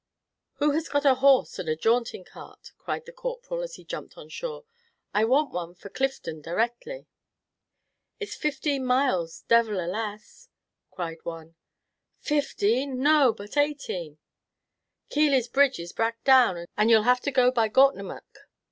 "Who has got a horse and a jaunting car?" cried the Corporal, as he jumped on shore. "I want one for Clifden directly." "It's fifteen miles devil a less," cried one. "Fifteen! no, but eighteen! Kiely's bridge is brack down, and you 'll have to go by Gortnamuck."